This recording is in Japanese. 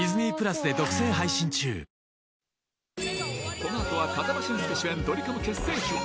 このあとは、風間俊介主演、ドリカム結成秘話。